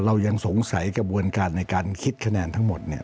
เรายังสงสัยกระบวนการในการคิดคะแนนทั้งหมดเนี่ย